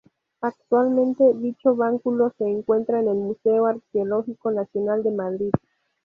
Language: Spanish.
Actualmente dicho báculo se encuentra en el Museo Arqueológico Nacional de Madrid.